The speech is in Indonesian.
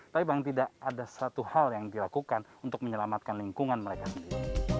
tapi paling tidak ada satu hal yang dilakukan untuk menyelamatkan lingkungan mereka sendiri